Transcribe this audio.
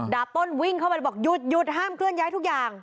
ต้นวิ่งเข้าไปบอกหยุดห้ามเคลื่อนย้ายทุกอย่าง